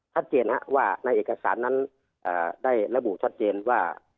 ชัดเจนว่าในเอกสารนั้นได้ระบุชัดเจนว่า